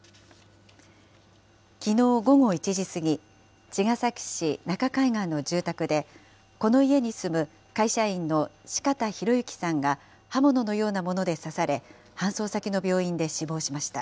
きのう午後１時過ぎ、茅ヶ崎市中海岸の住宅で、この家に住む会社員の四方洋行さんが、刃物のようなもので刺され、搬送先の病院で死亡しました。